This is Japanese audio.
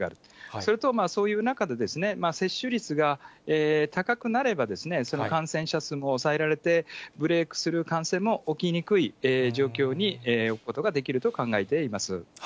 それとそういう中で、接種率が高くなれば、その感染者数も抑えられて、ブレイクスルー感染も起きにくい状況に置くことができると考えています。